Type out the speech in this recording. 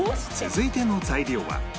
続いての材料は